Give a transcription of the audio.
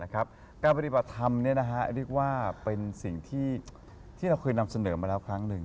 การปฏิบัติธรรมเรียกว่าเป็นสิ่งที่เราเคยนำเสนอมาแล้วครั้งหนึ่ง